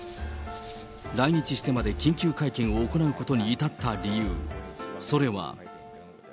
来日してまで緊急会見を行うことに至った理由、それは。